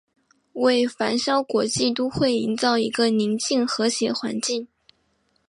为繁嚣国际都会营造一个宁静和谐环境。